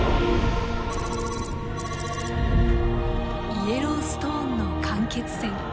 イエローストーンの間欠泉。